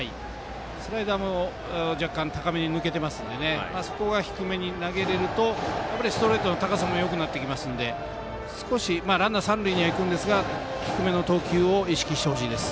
スライダーも若干、高めに抜けてますのであそこが低めに投げれるとストレートの高さもよくなってきますので少しランナー、三塁には行くんですが低めの投球を意識してほしいです。